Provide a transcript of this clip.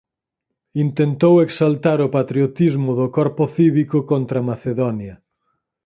Intentou exaltar o patriotismo do corpo cívico contra Macedonia.